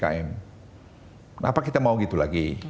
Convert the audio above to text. kenapa kita mau gitu lagi